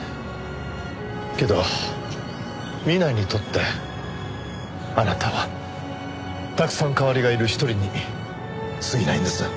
けど南井にとってあなたはたくさん代わりがいる一人に過ぎないんです。